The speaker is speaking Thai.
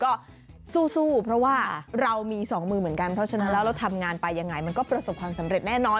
ก็สู้เพราะว่าเรามีสองมือเหมือนกันเพราะฉะนั้นแล้วเราทำงานไปยังไงมันก็ประสบความสำเร็จแน่นอน